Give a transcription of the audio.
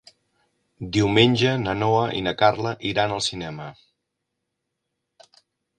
Diumenge na Noa i na Carla iran al cinema.